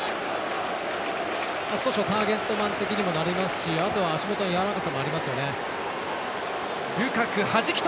少しターゲットマン的になれますしあとは足元のやわらかさもありますよね。